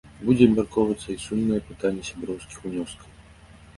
Будзе абмяркоўвацца і сумнае пытанне сяброўскіх унёскаў.